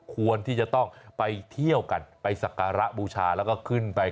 ควรที่จะต้องไปเที่ยวกันไปสักการะบูชาแล้วก็ขึ้นไป